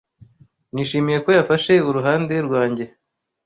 Nishimiye ko yafashe uruhande rwanjye.